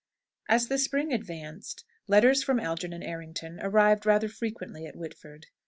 As the spring advanced, letters from Algernon Errington arrived rather frequently at Whitford.